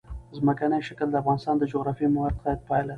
ځمکنی شکل د افغانستان د جغرافیایي موقیعت پایله ده.